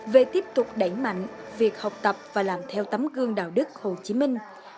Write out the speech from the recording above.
về tiếp tục đẩy mạnh việc học tập và làm theo tấm gương đạo đức hồ chí minh